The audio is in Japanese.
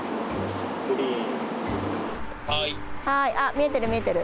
見えてる、見えてる。